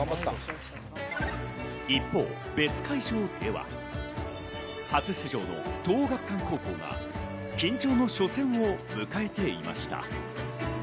一方、別会場では初出場の東桜学館高校が緊張の初戦を迎えていました。